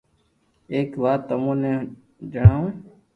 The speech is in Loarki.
ايڪ وات تمون ني ڄڻاوو